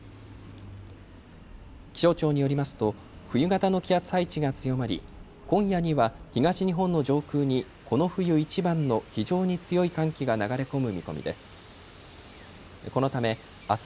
気象庁によりますと冬型の気圧配置が強まり今夜には東日本の上空にこの冬いちばんの非常に強い寒気が流れ込む見込みです。